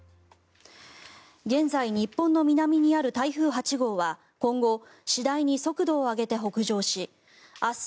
現在、日本の南にある台風８号は今後、次第に速度を上げて北上し明日